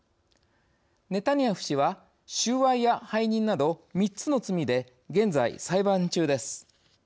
ネタニヤフ氏は収賄や背任など３つの罪で現在、裁判中です。